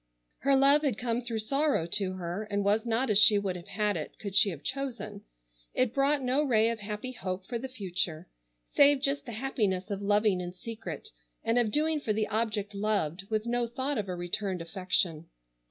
Her love had come through sorrow to her, and was not as she would have had it could she have chosen. It brought no ray of happy hope for the future, save just the happiness of loving in secret, and of doing for the object loved, with no thought of a returned affection.